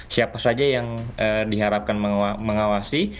siapa saja yang diharapkan mengawasi